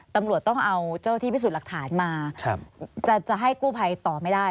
ตำรวจต้องเอาเจ้าที่พิสูจน์หลักฐานมาจะให้กู้ภัยต่อไม่ได้